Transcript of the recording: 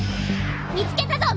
見つけたぞ